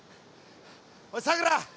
おいさくら